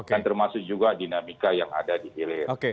dan termasuk juga dinamika yang ada di hilir